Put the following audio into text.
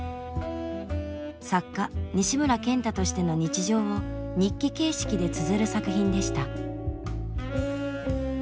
作家西村賢太としての日常を日記形式でつづる作品でした。